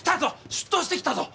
出頭してきたぞ！